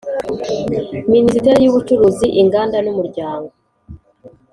Minisiteri y Ubucuruzi Inganda n Umuryango